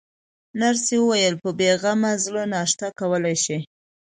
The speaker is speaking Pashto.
نرسې وویل: په بې غمه زړه ناشته کولای شئ.